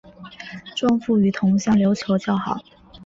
钟复与同乡刘球交好。